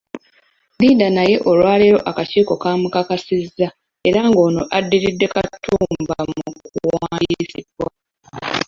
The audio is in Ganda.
Linda naye olwaleero akakiiko kamukakasizza era ng'ono addiridde Katumba mu kuwandiisibwa.